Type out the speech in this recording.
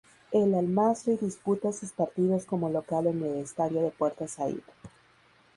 El Al-Masry disputa sus partidos como local en el Estadio de Puerto Saíd.